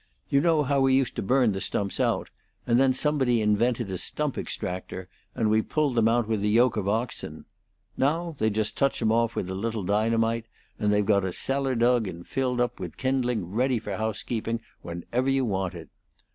You know how we used to burn the stumps out; and then somebody invented a stump extractor, and we pulled them out with a yoke of oxen. Now they just touch 'em off with a little dynamite, and they've got a cellar dug and filled up with kindling ready for housekeeping whenever you want it.